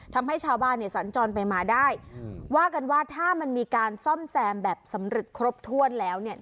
ทำให้ชาวบ้านเนี่ยสัญจรไปมาได้ว่ากันว่าถ้ามันมีการซ่อมแซมแบบสำเร็จครบถ้วนแล้วเนี่ย